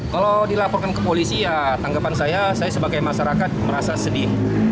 kalau dilaporkan ke polisi ya tanggapan saya saya sebagai masyarakat merasa sedih